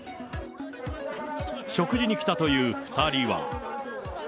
食事に来たという２人は。